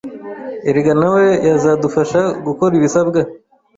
Erege nawe yazadufasha gukora ibisabwa